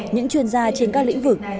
những chuyên gia trên các lĩnh vực